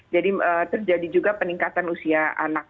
jadi terjadi juga peningkatan usia anak